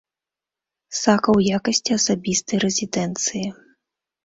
Сака ў якасці асабістай рэзідэнцыі.